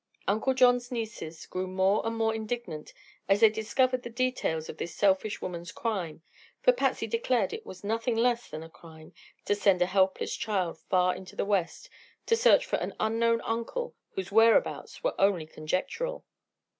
Uncle John's nieces grew more and more indignant as they discovered the details of this selfish woman's crime for Patsy declared it was nothing less than a crime to send a helpless child far into the West to search for an unknown uncle whose whereabouts were only conjectural.